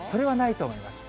それはないと思います。